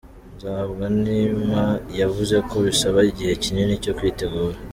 Nzahabwanima yavuze ko bisaba igihe kinini cyo kwitegura.